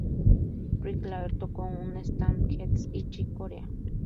Rick Laird tocó con Stan Getz y Chick Corea.